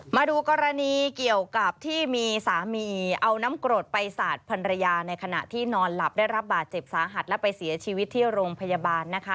มาดูกรณีเกี่ยวกับที่มีสามีเอาน้ำกรดไปสาดพันรยาในขณะที่นอนหลับได้รับบาดเจ็บสาหัสและไปเสียชีวิตที่โรงพยาบาลนะคะ